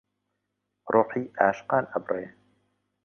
ڕۆحی عاشقان ئەبڕێ